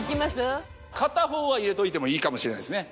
片方は入れといてもいいかもしれないですね。